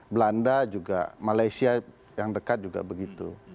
belanda juga malaysia yang dekat juga begitu